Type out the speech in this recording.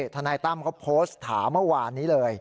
ทนายตั้มเขาโพสต์ถามว่านี้เลย